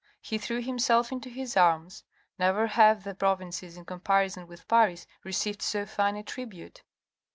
He threw himself into his arms. Never have the provinces in comparison with Paris received so fine a tribute.